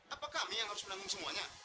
apa kami yang harus menanggung semuanya